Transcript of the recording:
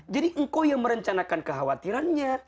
jadi engkau yang merencanakan kekhawatirannya